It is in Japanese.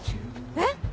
えっ！